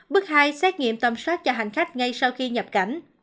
bước hai xét nghiệm tầm soát cho hành khách ngay sau khi nhập cảnh